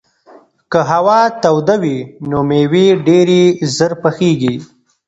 که هوا توده وي نو مېوې ډېرې ژر پخېږي.